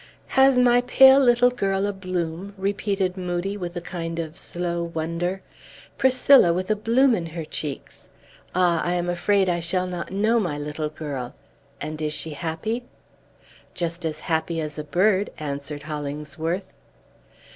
"Has my pale little girl a bloom?" repeated Moodie with a kind of slow wonder. "Priscilla with a bloom in her cheeks! Ah, I am afraid I shall not know my little girl. And is she happy?" "Just as happy as a bird," answered Hollingsworth.